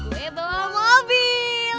gue belah mobil